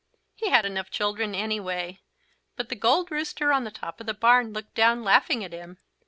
He had enough children anyway. But the Gold Rooster on the top of the barn looked down, laughing at him.